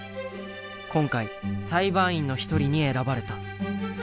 今回裁判員の一人に選ばれた。